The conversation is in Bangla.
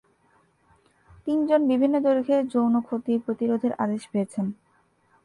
তিনজন বিভিন্ন দৈর্ঘ্যের যৌন ক্ষতি প্রতিরোধের আদেশ পেয়েছেন।